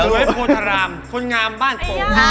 สวัสดีค่ะสวัสดีค่ะ